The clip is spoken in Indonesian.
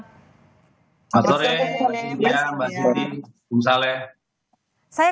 selamat sore mbak siti bung saleh